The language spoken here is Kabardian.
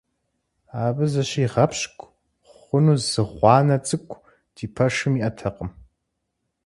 Абы зыщигъэпщкӀу хъуну зы гъуанэ цӀыкӀу ди пэшым иӀэтэкъым.